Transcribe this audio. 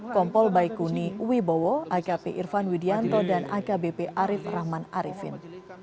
kompol baikuni wibowo akp irfan widianto dan akbp arief rahman arifin